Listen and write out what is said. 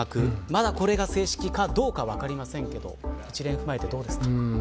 まだこれが正式かどうか分かりませんが一連を踏まえてどうですか。